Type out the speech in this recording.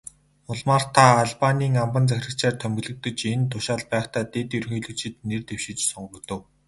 Улмаар та Албанийн амбан захирагчаар томилогдож, энэ тушаалд байхдаа дэд ерөнхийлөгчид нэр дэвшиж, сонгогдов.